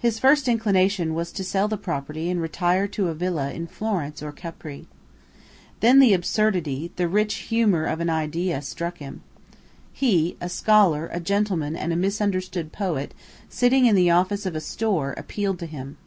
His first inclination was to sell the property and retire to a villa in Florence or Capri. Then the absurdity, the rich humour of an idea, struck him. He, a scholar, a gentleman and a misunderstood poet, sitting in the office of a store, appealed to him.